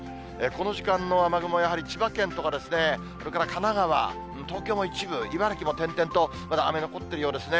この時間の雨雲、やはり千葉県とか、それから神奈川、東京も一部、茨城も点々とまだ雨、残ってるようですね。